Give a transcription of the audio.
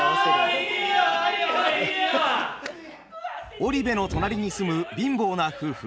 織部の隣に住む貧乏な夫婦